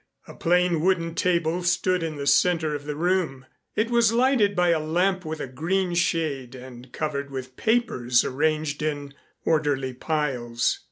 A plain wooden table stood in the center of the room. It was lighted by a lamp with a green shade and covered with papers arranged in orderly piles.